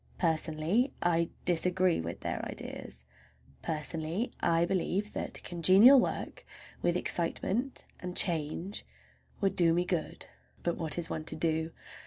Personally, I disagree with their ideas. Personally, I believe that congenial work, with excitement and change, would do me good. But what is one to do?